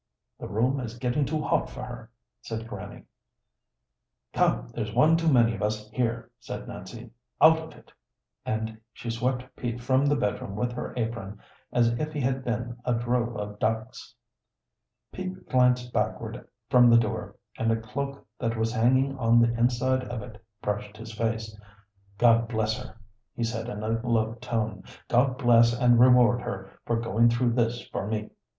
"The room is getting too hot for her," said Grannie. "Come, there's one too many of us here," said Nancy. "Out of it," and she swept Pete from the bedroom with her apron as if he had been a drove of ducks. Pete glanced backward from the door, and a cloak that was hanging on the inside of it brushed his face. "God bless her!" he said in a low tone. "God bless and reward her for going through this for me!"